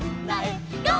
ゴー！」